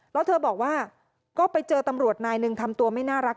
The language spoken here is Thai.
แล้วเธอบอกว่าก็ไปเจอตำรวจนายหนึ่งทำตัวไม่น่ารัก